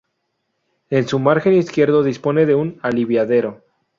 En su margen izquierdo dispone de un aliviadero.